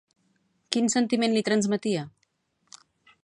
Quin sentiment li transmetia?